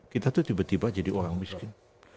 kita tuh tiba tiba jadi orang miskin